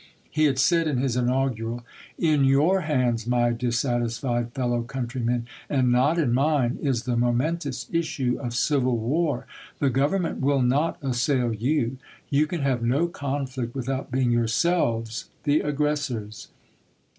He had said in his inaugural : "In your hands, my dissatisfied fellow country men, and not in mine, is the momentous issue of civil war. The Government will not assail you. You can have no conflict without being yourselves the aggressors."